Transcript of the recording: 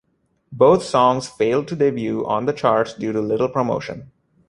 Both songs failed to debut on the charts due to little promotion.